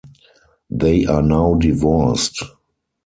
They are now divorced.